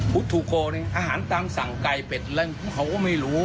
ฟุตทูโกเนี่ยอาหารตามสั่งไก่เป็ดแล้วพวกเขาก็ไม่รู้